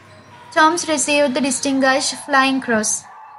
Toms received the Distinguished Flying Cross.